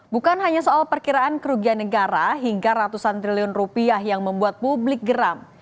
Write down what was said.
bukan hanya soal perkiraan kerugian negara hingga ratusan triliun rupiah yang membuat publik geram